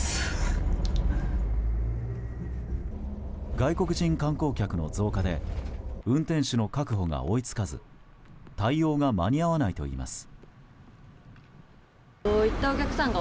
外国人観光客の増加で運転手の確保が追い付かず対応が間に合わないといいます。